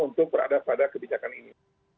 untuk berada pada kebijakan ini